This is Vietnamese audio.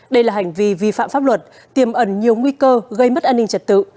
đây là hành vi vi phạm pháp luật tiềm ẩn nhiều nguy cơ gây mất an ninh trật tự